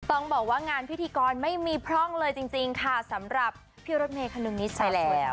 ต้องบอกว่างานพิธีกรไม่มีพร่องเลยจริงค่ะสำหรับพี่รถเมย์คนนึงนิสัยแล้ว